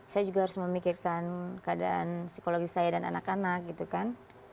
saya juga harus memikirkan keadaan psikologi saya dan anak anak gitu kan